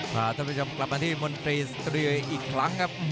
พาท่านผู้ชมกลับมาที่มนตรีสตรีเออีกครั้งครับ